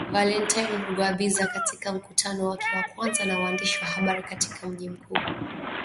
Valentine Rugwabiza katika mkutano wake wa kwanza na waandishi wa habari katika mji mkuu